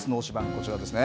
こちらですね。